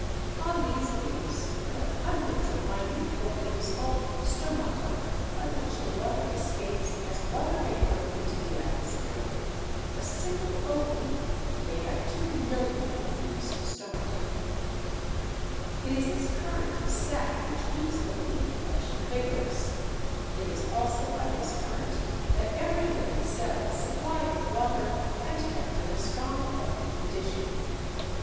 On these leaves there are hundreds of minute openings called stomata, by which the water escapes as water vapour into the atmosphere. A single oak leaf may have 2,000,000 of these stomata. It is this current of sap which keeps the leaf fresh and vigorous; it is also by this current that every living cell is supplied with water and kept in a strong, healthy condition.